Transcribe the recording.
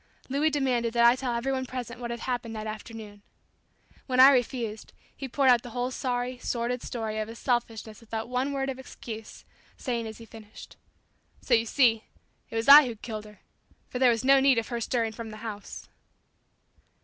Louis demanded that I tell everybody present what had happened that afternoon. When I refused, he poured out the whole sorry, sordid story of his selfishness without one word of excuse, saying as he finished, "So you see, it was I who killed her, for there was no need of her stirring from the house."